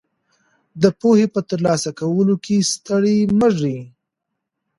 د پوهې په ترلاسه کولو کې ستړي مه ږئ.